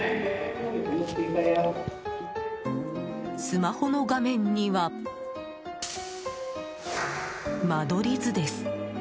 スマホの画面には間取り図です。